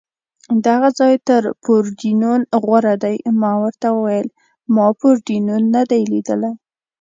دغه ځای تر پورډېنون غوره دی، ما ورته وویل: ما پورډېنون نه دی لیدلی.